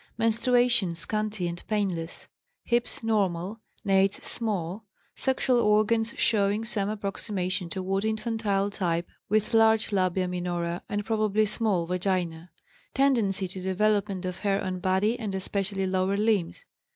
Menstruation scanty and painless. Hips normal, nates small, sexual organs showing some approximation toward infantile type with large labia minora and probably small vagina. Tendency to development of hair on body and especially lower limbs.